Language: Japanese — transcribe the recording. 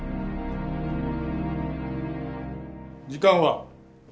時間は？